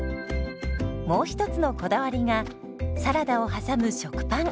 もう一つのこだわりがサラダを挟む食パン。